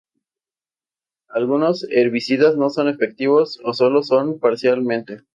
Algunos herbicidas no son efectivos o solo lo son parcialmente.